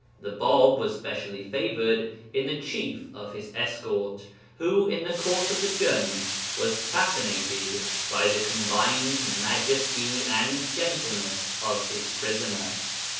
The Bāb was specially favoured in the chief of his escort, who, in the course of the journey, was fascinated by the combined majesty and gentleness of his prisoner.